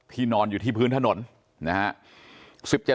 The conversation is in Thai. นอนอยู่ที่พื้นถนนนะฮะ